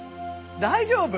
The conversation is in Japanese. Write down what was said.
大丈夫？